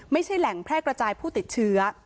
ไม่ใช่แหล่งแพร่กระจายผู้ติดเชื้อ